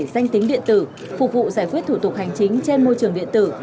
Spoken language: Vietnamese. danh tính điện tử phục vụ giải quyết thủ tục hành chính trên môi trường điện tử